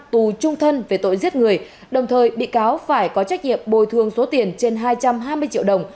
tù trung thân về tội giết người đồng thời bị cáo phải có trách nhiệm bồi thường số tiền trên hai trăm hai mươi triệu đồng